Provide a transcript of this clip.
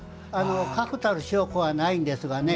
確たる証拠はないんですがね。